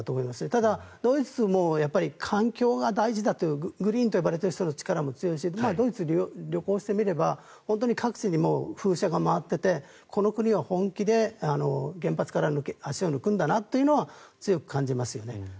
ただ、ドイツも環境が大事だというグリーンと呼ばれている人たちの力も強いしドイツを旅行してみれば各地に風車が回っていてこの国は本気で原発から足を抜くんだなというのは強く感じますよね。